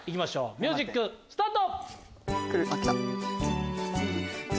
ミュージックスタート！